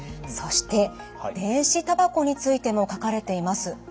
そして電子タバコについても書かれています。